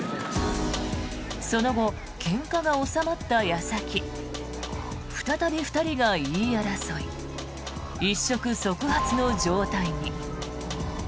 その後、けんかが収まった矢先再び２人が言い争い一触即発の状態に。